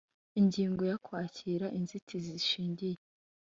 Ingingo ya Kwakira inzitizi zishingiye